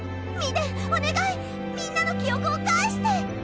ミデンおねがいみんなの記憶を返して！